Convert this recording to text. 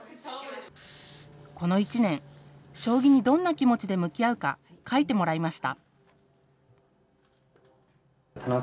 この１年、将棋にどんな気持ちで向き合うか書いてもらいました。